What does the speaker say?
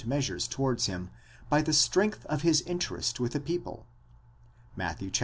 measures towards him by the strength of his interest with the people (Matt. xxi.